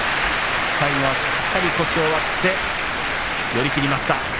最後はしっかり腰を割って寄り切りました。